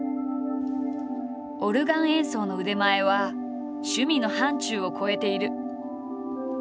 オルガン演奏の腕前は趣味の範疇を超えている。